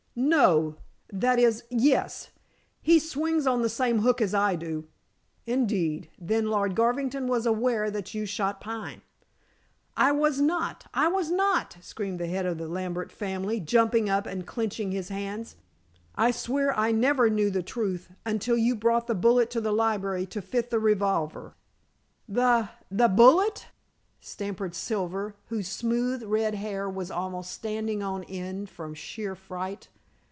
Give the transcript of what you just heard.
"No that is yes. He swings on the same hook as I do." "Indeed. Then Lord Garvington was aware that you shot Pine?" "I was not! I was not!" screamed the head of the Lambert family, jumping up and clenching his hands. "I swear I never knew the truth until you brought the bullet to the library to fit the revolver." "The the bullet!" stammered Silver, whose smooth red hair was almost standing on end from sheer fright.